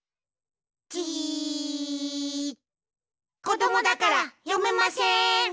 こどもだからよめません。